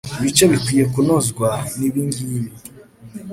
ibice bikwiye kunozwa nibingibi